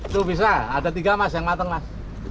itu bisa ada tiga mas yang matang mas